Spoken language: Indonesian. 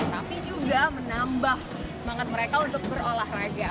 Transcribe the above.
tapi juga menambah semangat mereka untuk berolahraga